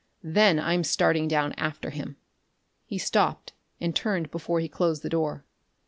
Then I'm starting down after him." He stopped and turned before he closed the door.